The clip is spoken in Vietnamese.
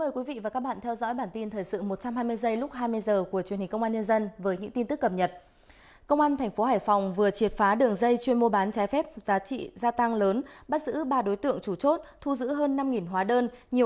các bạn hãy đăng ký kênh để ủng hộ kênh của chúng mình nhé